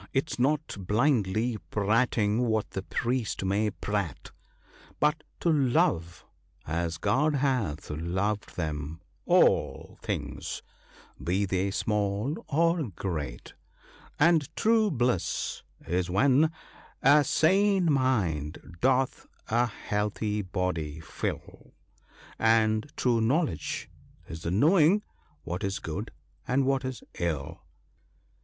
— 'tis not blindly prating what the priest may prate, But to love, as God hath loved them, all things, be they small of great; And true bliss is when a sane mind doth a healthy body fill ; And true knowledge is the knowing what is good and what is ill."